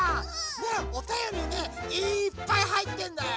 ねえおたよりねいっぱいはいってんだよ！